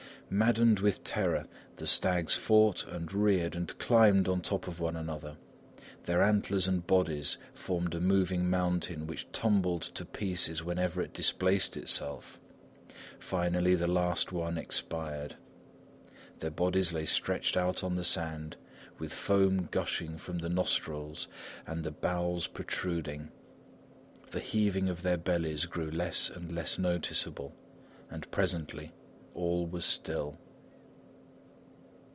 Maddened with terror, the stags fought and reared and climbed on top of one another; their antlers and bodies formed a moving mountain which tumbled to pieces whenever it displaced itself. Finally the last one expired. Their bodies lay stretched out on the sand with foam gushing from the nostrils and the bowels protruding. The heaving of their bellies grew less and less noticeable, and presently all was still.